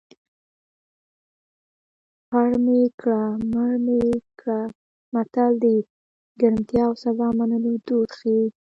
پړ مې کړه مړ مې کړه متل د ګرمتیا او سزا منلو دود ښيي